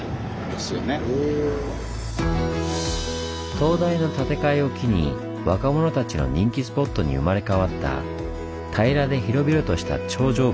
灯台の建て替えを機に若者たちの人気スポットに生まれ変わった平らで広々とした頂上部。